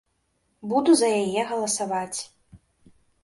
Буду за яе галасаваць.